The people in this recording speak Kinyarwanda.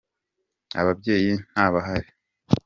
ababyeyi ntabahari.